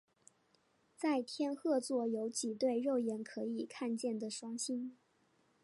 在天鹤座有几对肉眼可以看见的双星。